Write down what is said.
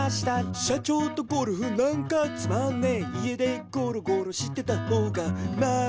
「社長とゴルフなんかつまんねえ家でゴロゴロしてた方がマシだい」